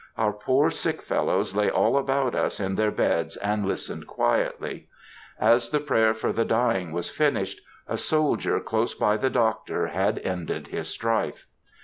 Our poor sick fellows lay all about us in their beds and listened quietly. As the prayer for the dying was finished, a soldier close by the Doctor had ended his strife.